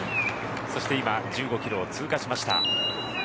そして今、１５キロを通過しました。